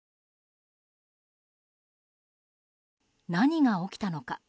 何が起きたのか。